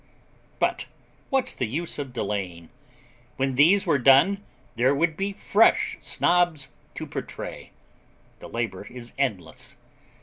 But what's the use of delaying? When these were done there would be fresh Snobs to pourtray. The labour is endless.